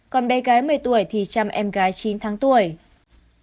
còn bé gái một mươi tuổi thì chăm em gái chín tháng tuổi